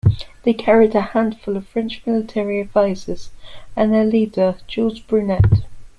They carried a handful of French military advisors, and their leader Jules Brunet.